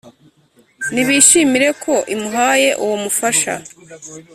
nibishimire ko imuhaye uwo mufasha